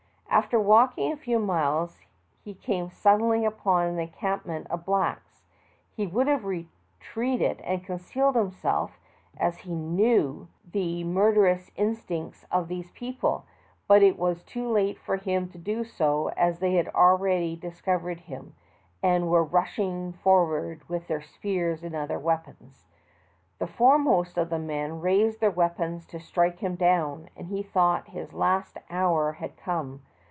After walking a few miles he came suddenly upon an encampment of blacks; he would have retreated and concealed himself, as he knew the 198 THE TALKING HANDKERCHIEF. murderous instincts of these people, but it was too late for him to do so, as they had already dis eovered him, and were rushing forward with their spears and other weapons. The foremost of the men raised their weapons to strike him down, and he thought his last hour had eome.